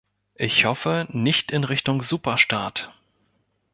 Ich hoffe, nicht in Richtung Superstaat.